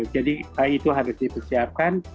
jadi itu harus dipersiapkan